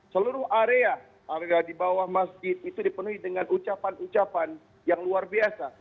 seluruh area area di bawah masjid itu dipenuhi dengan ucapan ucapan yang luar biasa